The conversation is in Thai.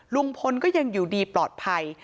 ลุงพลก็ยังอยู่ดีปลอดภัย